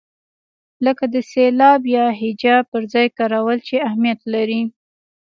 لکه د سېلاب یا هجا پر ځای کارول چې اهمیت لري.